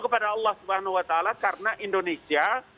kepada allah swt karena indonesia